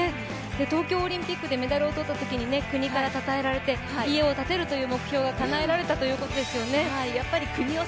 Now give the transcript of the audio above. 東京オリンピックでメダルを取ったときに国からたたえられて家を建てるという目標がかなえられたということですよね。